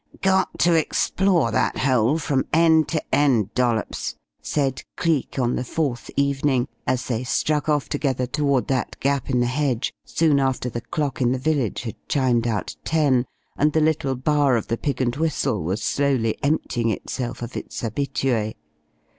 "Got to explore that hole from end to end, Dollops," said Cleek on the fourth evening, as they struck off together toward that gap in the hedge, soon after the clock in the village had chimed out ten, and the little bar of the "Pig and Whistle" was slowly emptying itself of its habitués.